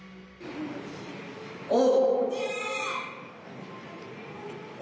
お！